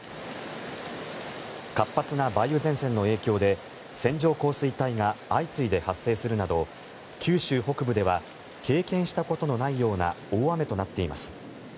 活発な梅雨前線の影響で線状降水帯が相次いで発生するなど九州北部では経験したことのないような大雨となっています。